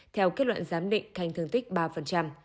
theo kết luận giám định khanh thương tích ba